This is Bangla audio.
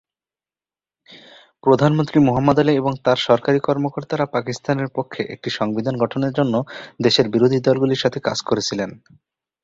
প্রধানমন্ত্রী মুহাম্মদ আলী এবং তাঁর সরকারী কর্মকর্তারা পাকিস্তানের পক্ষে একটি সংবিধান গঠনের জন্য দেশের বিরোধী দলগুলির সাথে কাজ করেছিলেন।